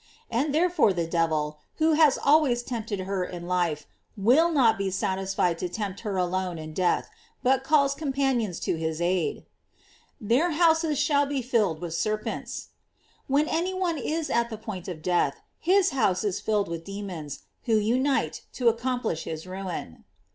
"f And therefore the devil, who has always tempted her in life, will not be satisfied to tempt her alone in death, but calls compan ions to his aid: "Their houses shall be filled with serpents. "J When any one is at the point of death, his house is filled with demons, who unite to accomplish his ruin.